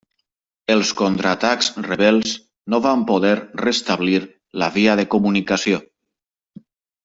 Els contraatacs rebels no van poder restablir la via de comunicació.